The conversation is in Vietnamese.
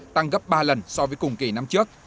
tăng gấp ba lần so với cùng kỳ năm trước